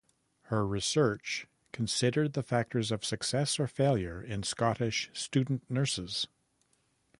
Her research considered the factors of success or failure in Scottish student nurses.